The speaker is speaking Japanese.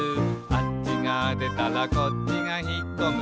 「あっちがでたらこっちがひっこむ」